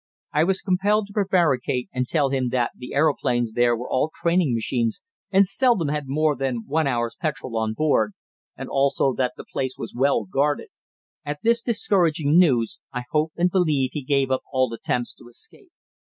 I was compelled to prevaricate and tell him that the aeroplanes there were all training machines and seldom had more than one hour's petrol on board, and also that the place was well guarded. At this discouraging news, I hope and believe he gave up all attempts to escape.